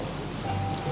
lo bukan orang yang egois